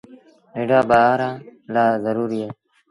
ننڍآن ٻآرآن لآ زروريٚ اهي۔